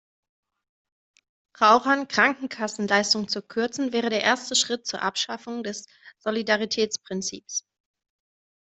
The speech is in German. Rauchern Krankenkassenleistungen zu kürzen, wäre der erste Schritt zur Abschaffung des Solidaritätsprinzips.